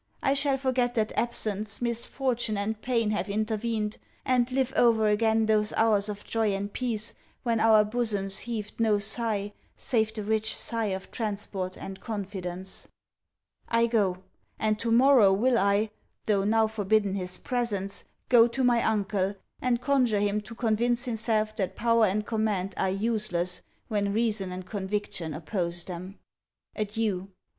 I shall forget that absence, misfortune, and pain, have intervened and live over again those hours of joy and peace, when our bosoms heaved no sigh, save the rich sigh of transport and confidence. I go; and to morrow will I, though now forbidden his presence, go to my uncle, and conjure him to convince himself that power and command are useless, when reason and conviction oppose them. Adieu.